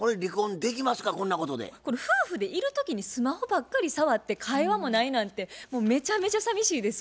夫婦でいる時にスマホばっかり触って会話もないなんてもうめちゃめちゃさみしいです。